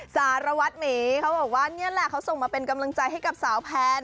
สารวัตรหมีเขาบอกว่านี่แหละเขาส่งมาเป็นกำลังใจให้กับสาวแพน